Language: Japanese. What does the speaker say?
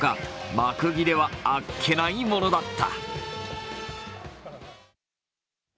幕切れはあっけないものだった。